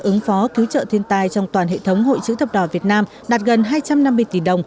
ứng phó cứu trợ thiên tai trong toàn hệ thống hội chữ thập đỏ việt nam đạt gần hai trăm năm mươi tỷ đồng